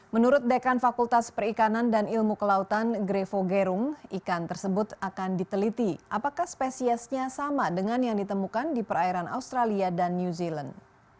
menurut dekan fakultas perikanan dan ilmu kelautan grevo gerung ikan tersebut akan diteliti apakah spesiesnya sama dengan yang ditemukan di perairan australia dan new zealand